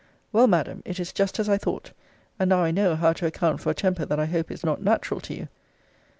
Well, Madam, it is just as I thought. And now I know how to account for a temper that I hope is not natural to you.